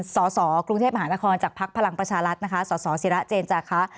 สสกรุงเทพฯมหาละครจากภักดิ์พลังประชารัฐสสศิระเจนจักร